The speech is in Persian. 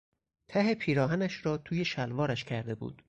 ته پیراهنش را توی شلوارش کرده بود.